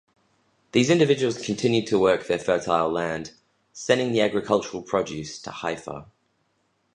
These individuals continued to work their fertile land, sending the agricultural produce to Haifa.